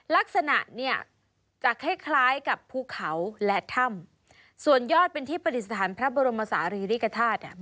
ลักษณะเนี่ยจะคล้ายคล้ายกับภูเขาและถ้ำส่วนยอดเป็นที่ปฏิสถานพระบรมศาลีริกฐาตุเนี่ย